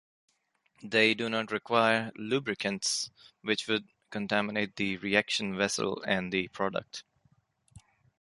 They do not require lubricants which could contaminate the reaction vessel and the product.